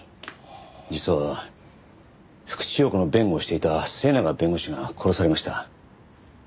実は福地陽子の弁護をしていた末永弁護士が殺されました。